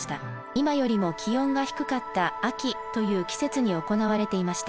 今よりも気温が低かった「秋」という季節に行われていました。